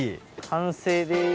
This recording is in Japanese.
完成です。